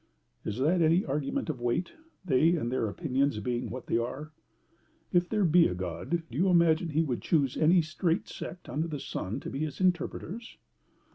"Is that any argument of weight, they and their opinions being what they are? If there be a God, do you imagine he would choose any strait sect under the sun to be his interpreters?"